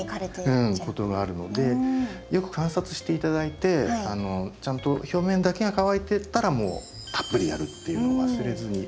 ことがあるのでよく観察して頂いてちゃんと表面だけが乾いてたらもうたっぷりやるっていうのを忘れずに。